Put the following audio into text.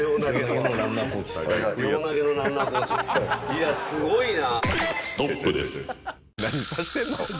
いやすごいな。